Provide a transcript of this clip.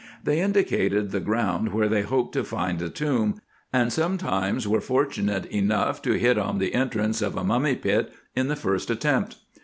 They indicated the ground where they hoped to find a tomb, and sometimes were fortunate enough to hit on the entrance of a mummy pit in the first attempt.